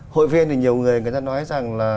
hội viên thì nhiều người người ta nói rằng là